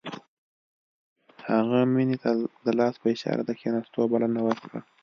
هغه مينې ته د لاس په اشاره د کښېناستو بلنه ورکړه.